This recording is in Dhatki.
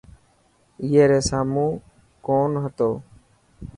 اي ري سامون ڪون هتو.